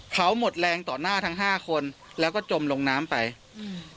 เขาหมดแรงต่อหน้าทั้งห้าคนแล้วก็จมลงน้ำไปอืม